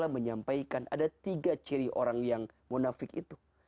menyampaikan ada tiga ciri orang yang munafik itu